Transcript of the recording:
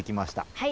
はい。